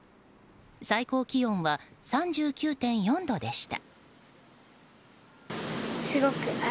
最高気温は３９．４度でした。